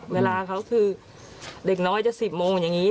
เวลาเขาคือเด็กน้อยจะ๑๐โมงอย่างนี้